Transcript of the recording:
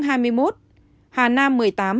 hà nam một mươi tám